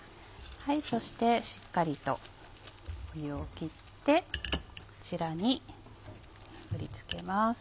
そしてしっかりと湯を切ってこちらに盛り付けます。